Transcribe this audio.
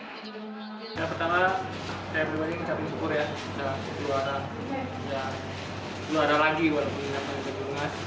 pertama saya pribadi mengucapkan syukur ya bisa juara bisa juara lagi walaupun ini adalah kejuaraan nasional